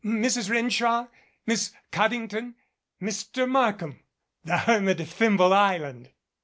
Mrs. Renshaw, Miss Coddington Mr. Markham the Hermit of Thimble Island."